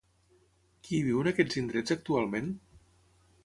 Qui hi viu en aquests indrets actualment?